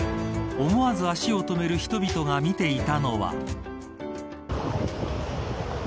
思わず足を止める人々が見ていたのは。